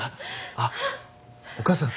あっお母さん